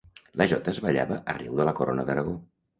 La jota es ballava arreu de la Corona d'Aragó.